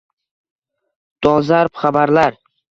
Dolzarb xabarlar